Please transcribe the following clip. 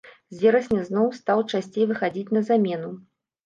З верасня зноў стаў часцей выхадзіць на замену.